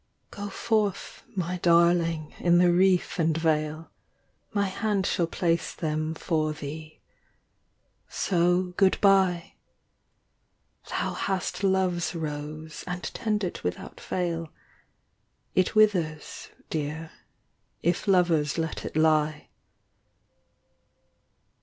Go forth, my darling, in the wreath and veil ; My hand shall place them for thee ; so goodbye. Thou hast Love's rose, and tend it without fail ; It withers, dear, if lovers let it lie.